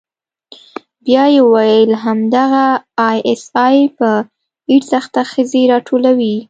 بيا يې وويل همدغه آى اس آى په ايډز اخته ښځې راټولوي.